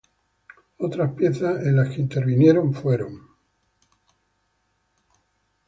Otras piezas en las que intervino fueron "Mrs.